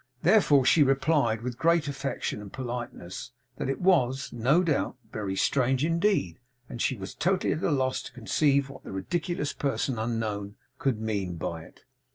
Therefore, she replied, with great affection and politeness, that it was, no doubt, very strange indeed; and that she was totally at a loss to conceive what the ridiculous person unknown could mean by it.